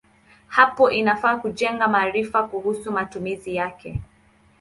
Hapo inafaa kujenga maarifa kuhusu matumizi yake.